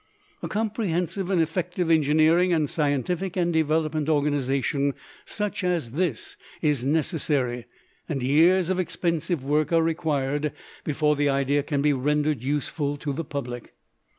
A comprehensive and effective engineering and scientific and development organization such as this is necessary, and years of expensive work are required before the idea can be rendered useful to the public.